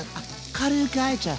軽くあえちゃう。